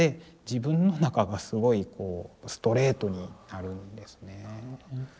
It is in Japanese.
自分の中がすごいこうストレートになるんですね。